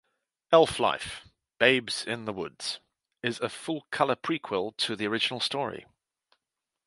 "Elf Life: Babes in the Woods" is a full-color prequel to the original story.